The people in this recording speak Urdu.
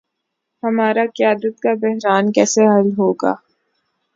ہمارا قیادت کا بحران کیسے حل ہو گا۔